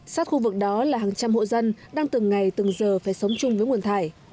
sát khu vực đó là hàng trăm hộ dân đang từng ngày từng giờ phải sống chung với nguồn thải